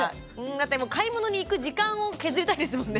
買い物に行く時間を削りたいですもんね。